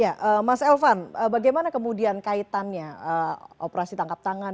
ya mas elvan bagaimana kemudian kaitannya operasi tangkap tangan